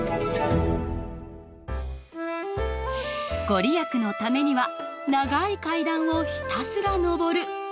御利益のためには長い階段をひたすら上る。